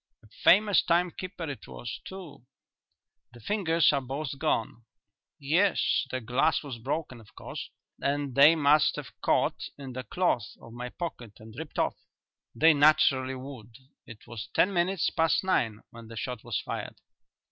"A famous time keeper it was, too." "The fingers are both gone." "Yes; the glass was broken, of course, and they must have caught in the cloth of my pocket and ripped off." "They naturally would; it was ten minutes past nine when the shot was fired."